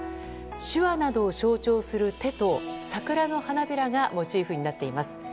手話などを象徴する手と桜の花びらがモチーフになっています。